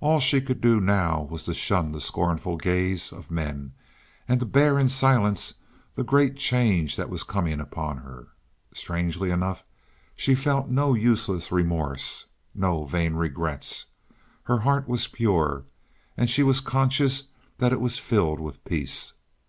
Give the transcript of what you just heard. All she could do now was to shun the scornful gaze of men, and to bear in silence the great change that was coming upon her. Strangely enough, she felt no useless remorse, no vain regrets. Her heart was pure, and she was conscious that it was filled with peace.